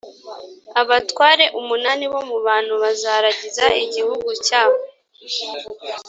abatware umunani bo mu bantu Bazaragiza igihugu cya